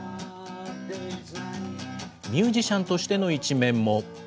ミュージシャンとしての一面も。